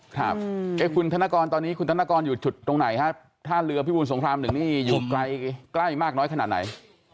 ครับคุณธนกรตอนนี้คุณธนกรอยู่จุดตรงไหนฮะท่าเรือพิบูรสงครามหนึ่งนี่อยู่ไกลใกล้มากน้อยขนาดไหน